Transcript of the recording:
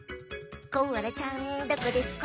コアラちゃんどこですか？